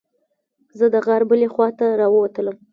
زه د غار بلې خوا ته راووتلم.